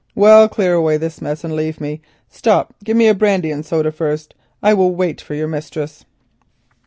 Well, clear away this mess and leave me—stop, give me a brandy and soda first. I will wait for your mistress."